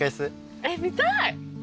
えっ見たい！